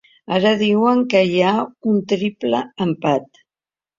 Ara diuen que hi ha un triple empat.